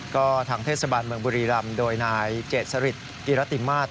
ก็ทางเทศบาลเมืองบุรีรำโดยนายเจตสฤทธิ์กิระติมาส